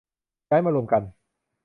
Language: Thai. ย้ายมารวมกัน